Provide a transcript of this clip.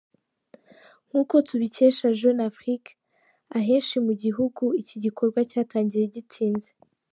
Nk’uko tubikesha Jeune Afrique, ahenshi mu gihugu iki gikorwa cyatangiye gitinze.